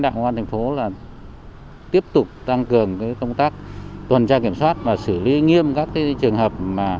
đảng công an thành phố là tiếp tục tăng cường công tác tuần tra kiểm soát và xử lý nghiêm các trường hợp mà